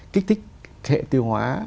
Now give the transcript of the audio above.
kích thích hệ tiêu hóa